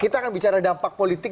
kita akan bicara dampak politik